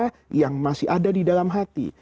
tanpa ada rasa cinta yang masih ada di dalam hati